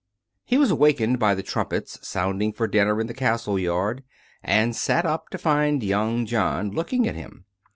He was awakened by the trumpets sounding for dinner in the castle yard, and sat up to find young John looking at him.